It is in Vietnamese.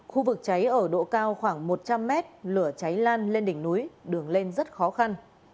khu vực cháy ở độ cao khoảng một trăm linh mét lửa cháy lan lên đỉnh núi đường lên rất khó khăn